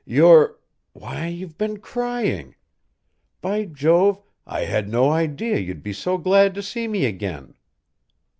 You're why, you've been crying! By Jove, I had no idea you'd be so glad to see me again."